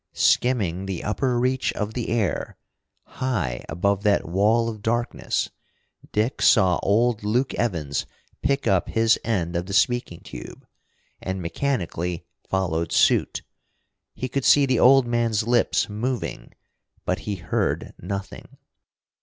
Skimming the upper reach of the air, high above that wall of darkness, Dick saw old Luke Evans pick up his end of the speaking tube, and mechanically followed suit. He could see the old man's lips moving. But he heard nothing!